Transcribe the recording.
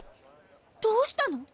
どうしたの？